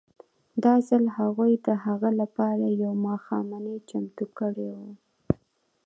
دا ځل هغوی د هغه لپاره یوه ماښامنۍ چمتو کړې وه